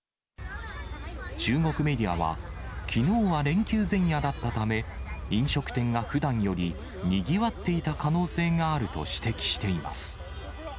中国メディアは、きのうは連休前夜だったため、飲食店がふだんよりにぎわっていた可能性があると指摘しています。